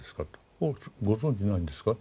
おおご存じないんですかって。